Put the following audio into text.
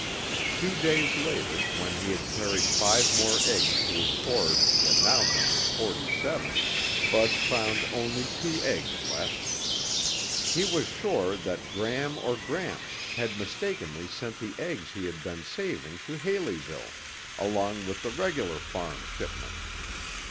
Two days later, when he had carried five more eggs to his hoard that now numbered forty seven, Bud found only two eggs left. He was sure that Gram or Gramps had mistakenly sent the eggs he had been saving to Haleyville along with the regular farm shipment.